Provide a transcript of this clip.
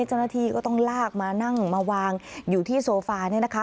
เจ้าหน้าที่ก็ต้องลากมานั่งมาวางอยู่ที่โซฟาเนี่ยนะคะ